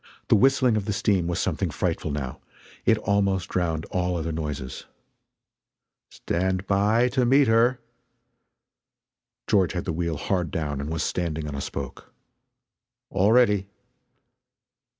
The whistling of the steam was something frightful now it almost drowned all other noises. "Stand by to meet her!" George had the wheel hard down and was standing on a spoke. "All ready!"